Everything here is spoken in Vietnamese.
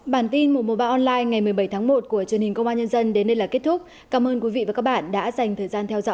bản tin mùa mùa ba online ngày một mươi bảy tháng một của truyền hình công an nhân dân đến đây là kết thúc cảm ơn quý vị và các bạn đã dành thời gian theo dõi xin kính chào tạm biệt